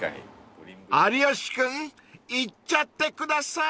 ［有吉君いっちゃってください］